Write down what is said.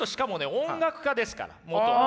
音楽家ですから元はね。